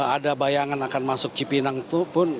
ada bayangan akan masuk cipinang itu pun